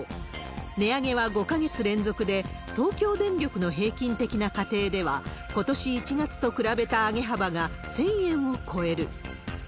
値上げは５か月連続で、東京電力の平均的な家庭では、ことし１月と比べた上げ幅が１０００円を超える。